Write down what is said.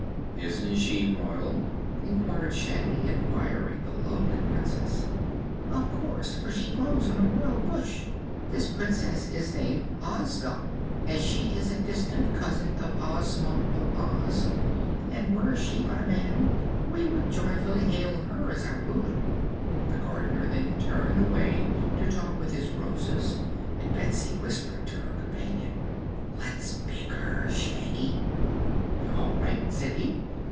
"Isn't she Royal?" inquired Shaggy, admiring the lovely Princess. "Of course, for she grows on a Royal Bush. This Princess is named Ozga, as she is a distant cousin of Ozma of Oz; and, were she but a man, we would joyfully hail her as our Ruler." The Gardener then turned away to talk with his Roses and Betsy whispered to her companion: "Let's pick her, Shaggy." "All right," said he.